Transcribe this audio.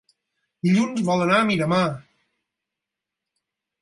Dilluns vol anar a Miramar.